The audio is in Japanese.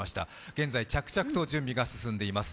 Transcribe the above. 現在、着々と準備が進んでいます。